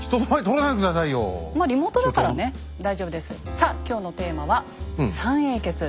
さあ今日のテーマは「三英傑」。